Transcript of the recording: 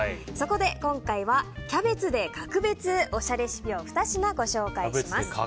そこで今回はキャベツで格別おしゃレシピを２品、ご紹介します。